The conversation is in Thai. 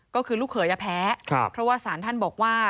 ก็คือลูกเขยแพ้เพราะว่าสารท่านบอกว่า